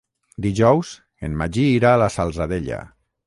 Dijous en Magí irà a la Salzadella.